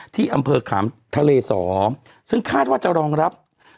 ที่อำเภอขามทะเลสอซึ่งคาดว่าจะรองรับ